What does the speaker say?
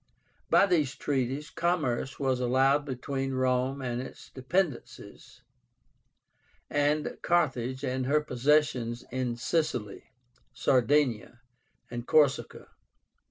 By these treaties commerce was allowed between Rome and its dependencies and Carthage and her possessions in Sicily, Sardinia, and Corsica.